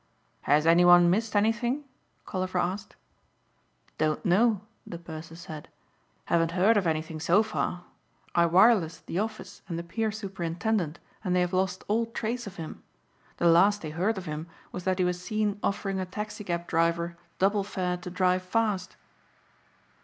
"Has anyone missed anything?" Colliver asked. "Don't know," the purser said. "Haven't heard of anything so far. I wirelessed the office and the pier superintendent and they have lost all trace of him. The last they heard of him was that he was seen offering a taxicab driver double fare to drive fast."